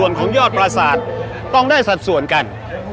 ส่วนของยอดประสาทต้องได้สัดส่วนกัน